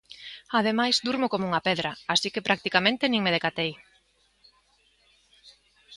Ademais, durmo como unha pedra, así que practicamente nin me decatei.